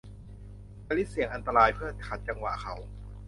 อลิซเสี่ยงอันตรายเพื่อขัดจังหวะเขา